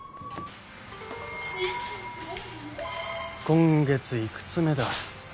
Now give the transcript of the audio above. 今月いくつ目だ。